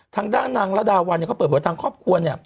ทางด้านนางและดาววันเขาเปิดผัวตังค์ครอบครัวเนี่ย